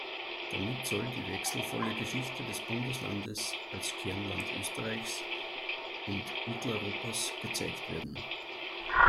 Damit soll die wechselvolle Geschichte des Bundeslandes als Kernland Österreichs und Mitteleuropas gezeigt werden.